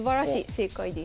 正解です。